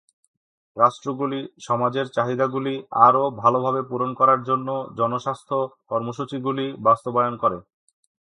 রাষ্ট্রগুলি সমাজের চাহিদাগুলি আরও ভালভাবে পূরণ করার জন্য জনস্বাস্থ্য কর্মসূচিগুলি বাস্তবায়ন করে।